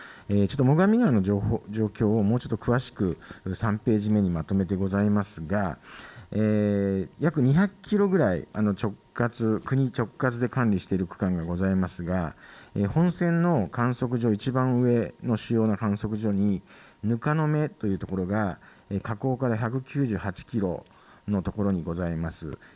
最上川の状況をもうちょっと詳しく３ページ目にまとめてございますが約２００キロぐらい国直轄で管理している区間がございますが本線の観測所、１番上の主要な観測所に糠野目観測所というところが河口から１９８キロの所でございます。